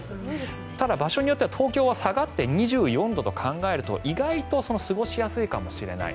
ただ、場所によっては東京は２４度と考えると意外と過ごしやすいかもしれない。